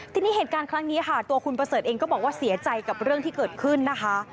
ทีนี้เหตุการณ์ครั้งนี้ค่ะตัวคุณประเสริฐเองก็บอกว่าเสียใจกับเรื่องที่เกิดขึ้นนะคะ